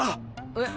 えっ？